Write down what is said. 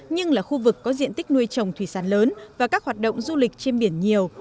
nhưng là khu vực có diện tích nuôi trồng thủy sản lớn và các hoạt động du lịch trên biển nhiều